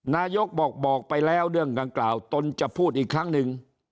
นายกบอกไปแล้วเรื่องดังกล่าวตนจะพูดอีกครั้งหนึ่ง